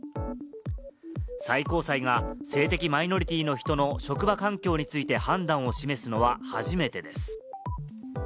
最高裁が性的マイノリティーの人の職場環境について判断を示すのは初めてです。